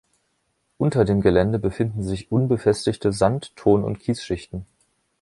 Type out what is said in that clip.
Unter dem Gelände befinden sich unbefestigte Sand-, Ton- und Kiesschichten.